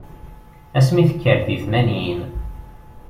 Ass mi tekker di tmanyin.